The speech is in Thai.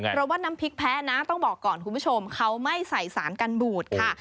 เพราะว่าน้ำพริกแพ้นะต้องบอกก่อนคุณผู้ชมเขาไม่ใส่สารกันบูดค่ะ